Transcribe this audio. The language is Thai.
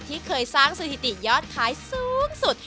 ที่เคยสร้างสถิติยอดขายสูงสุด